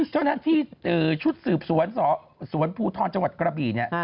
เจ้าหน้าที่ชุดสืบสวนสวนภูทรจังหวัดกระบี่เนี่ย